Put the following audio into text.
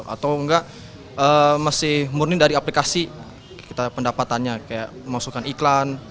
atau enggak masih murni dari aplikasi kita pendapatannya kayak memasukkan iklan